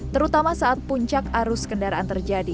terutama saat puncak arus kendaraan terjadi